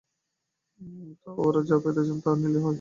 তা ওঁরা যা পেতে চান তা নিলেই হয়।